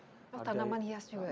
itu tanaman hias juga ya